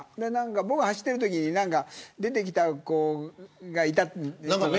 僕が走ってるときに出てきた子がいた。